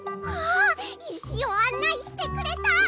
わあいしをあんないしてくれた！